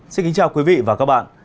xin kính chào quý vị và các bạn